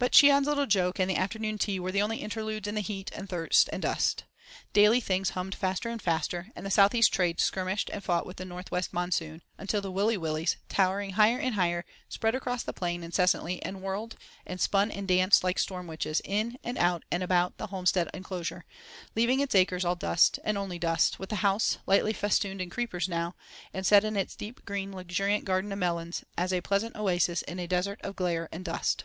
But Cheon's little joke and the afternoon tea were only interludes in the heat and thirst and dust. Daily things hummed faster and faster, and the South east Trades skirmished and fought with the North west monsoon, until the Willy Willys, towering higher and higher sped across the plain incessantly, and whirled, and spun and danced like storm witches, in, and out and about the homestead enclosure, leaving its acres all dust, and only dust, with the house, lightly festooned in creepers now, and set in its deep green luxuriant garden of melons, as a pleasant oasis in a desert of glare and dust.